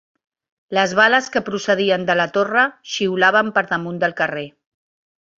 Les bales que procedien de la torre xiulaven per damunt del carrer